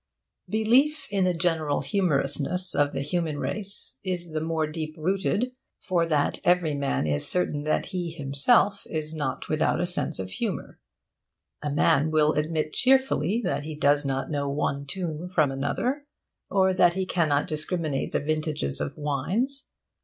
Belief in the general humorousness of the human race is the more deep rooted for that every man is certain that he himself is not without sense of humour. A man will admit cheerfully that he does not know one tune from another, or that he cannot discriminate the vintages of wines.